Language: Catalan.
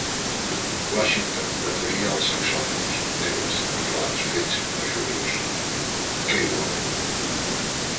Washington preferia els saxofons negres niquelats fets per Julius Keilwerth.